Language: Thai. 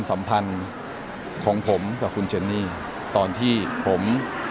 สัมพันธ์ของผมกับคุณเจนนี่ตอนที่ผม